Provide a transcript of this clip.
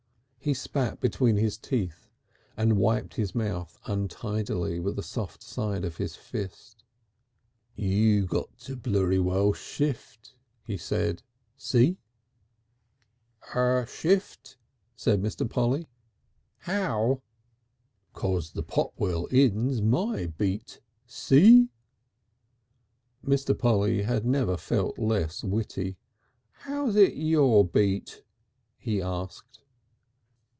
He spat between his teeth and wiped his mouth untidily with the soft side of his fist. "You got to blurry well shift," he said. "See?" "Shift!" said Mr. Polly. "How?" "'Cos the Potwell Inn's my beat. See?" Mr. Polly had never felt less witty. "How's it your beat?" he asked.